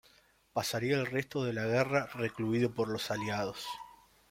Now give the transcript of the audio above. Pasaría el resto de la guerra recluido por los aliados.